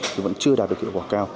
thì vẫn chưa đạt được hiệu quả cao